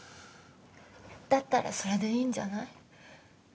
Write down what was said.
だったらそれでいいんじゃない？